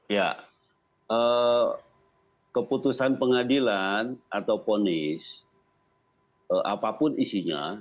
ya keputusan pengadilan atau ponis apapun isinya